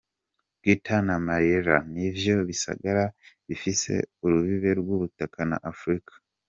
Ceuta na Melilla, nivyo bisagara bifise urubibe rw'ubutaka na Afrika.